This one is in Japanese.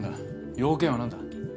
用件は何だ？